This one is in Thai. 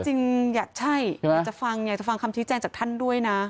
จริงอยากใช่อยากจะฟังอยากจะฟังคำชี้แจงจากท่านด้วยนะ